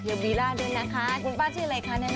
คุณป้าชื่ออะไรคะแนะนำก่อน